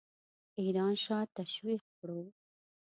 ایران شاه تشویق کړو.